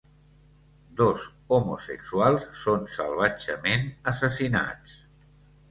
Dos homosexuals són salvatgement assassinats.